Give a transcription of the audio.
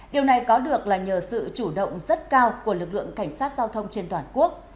điều này có được là nhờ sự chủ động rất cao của lực lượng cảnh sát giao thông trên toàn quốc